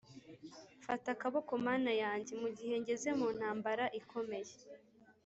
mfata akaboko Mana yanjye mu gihe ngeze mu ntambara ikomeye